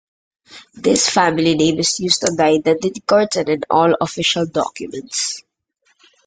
This family name is used on the identity cards and in all official documents.